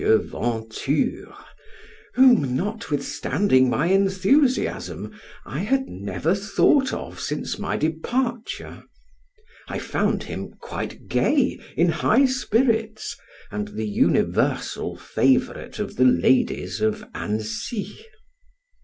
Venture, whom (notwithstanding my enthusiasm) I had never thought of since my departure. I found him quite gay, in high spirits, and the universal favorite of the ladies of Annecy.